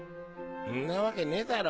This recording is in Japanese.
んなわけねえだろ。